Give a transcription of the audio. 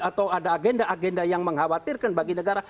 atau ada agenda agenda yang mengkhawatirkan bagi negara